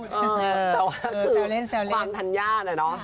แต่ว่าคือความทัญญาเนี่ยเนอะ